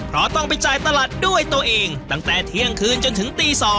เพราะต้องไปจ่ายตลาดด้วยตัวเองตั้งแต่เที่ยงคืนจนถึงตี๒